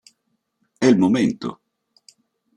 È il momento.